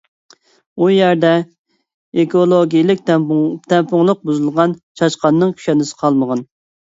ئۇ يەردە ئېكولوگىيىلىك تەڭپۇڭلۇق بۇزۇلغان، چاشقاننىڭ كۈشەندىسى قالمىغان.